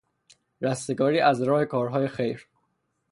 رستگاری از راه کارهای خیر